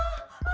oh di mana dia